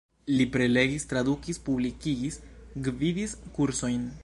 Li prelegis, tradukis, publikigis, gvidis kursojn.